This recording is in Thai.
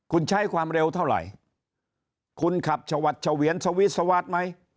คุณใช้ความเร็วเท่าไหร่คุณขับชวัดเฉวียนสวิสวาสไหม